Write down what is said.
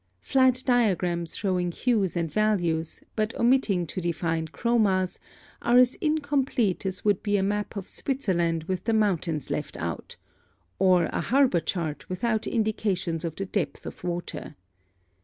(14) Flat diagrams showing hues and values, but omitting to define chromas, are as incomplete as would be a map of Switzerland with the mountains left out, or a harbor chart without indications of the depth of water.